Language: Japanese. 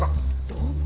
どうも。